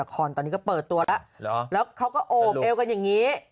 ไอ้เมนูก็เปิดตัวแล้วเขาก็อบเอวกันอย่างนี้